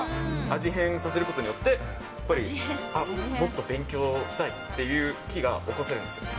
味変させることによって、やっぱりもっと勉強したいっていう気が起こせるんですよね。